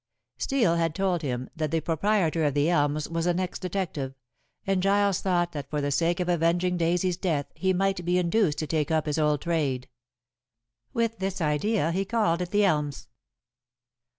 Steel had told him that the proprietor of The Elms was an ex detective, and Giles thought that for the sake of avenging Daisy's death he might be induced to take up his old trade. With this idea he called at The Elms.